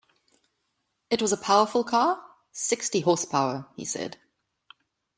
"It was a powerful car?" "Sixty horse-power," he said.